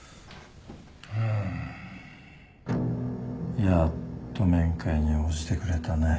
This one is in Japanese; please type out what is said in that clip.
やっと面会に応じてくれたね。